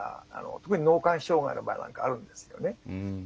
特に脳幹障害の場合なんかはあるんですよね。